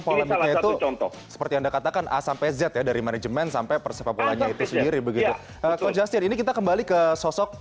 oh tidak sama sekali tidak ini sebuah contoh kecil lah